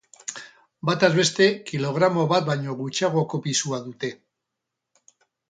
Bataz beste kilogramo bat baino gutxiagoko pisua dute.